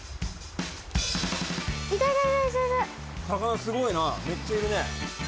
魚すごいなめっちゃいるね。